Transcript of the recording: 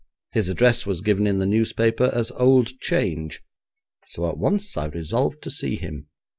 His address was given in the newspaper as Old Change, so at once I resolved to see him.